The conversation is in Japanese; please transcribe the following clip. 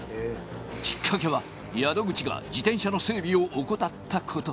きっかけは宿口が自転車の整備を怠ったこと。